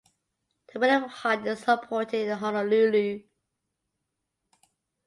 The "William Hart" is homeported in Honolulu.